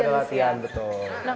lagi pada latihan betul